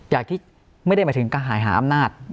จากที่ไม่ได้หมายถึงกระหายหาอำนาจ